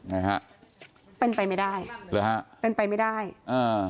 นะฮะเป็นไปไม่ได้เป็นไปไม่ได้อ่า